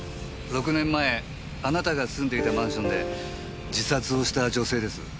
６年前あなたが住んでいたマンションで自殺をした女性です。